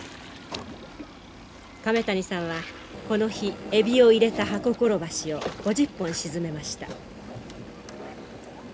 亀谷さんはこの日エビを入れた箱コロバシを５０本沈めました。